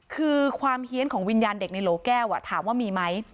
คือความเฮียนของวิญญาณเด็กในโหลแก้วถามว่ามีไหม